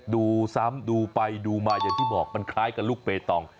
ดูซ้ำดูไปดูมาอย่างที่บอกมันคล้ายกับลูกเปตอง